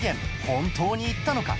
本当に言ったのか？